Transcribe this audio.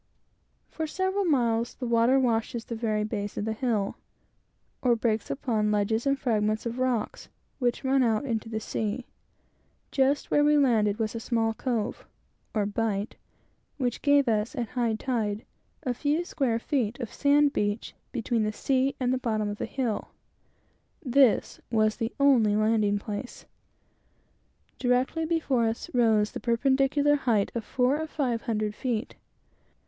For several miles the water washes the very base of the hill, or breaks upon ledges and fragments of rocks which run out into the sea. Just where we landed was a small cove, or "bight," which gave us, at high tide, a few square feet of sand beach between the sea and the bottom of the hill. This was the only landing place. Directly before us, rose the perpendicular height of four or five hundred feet.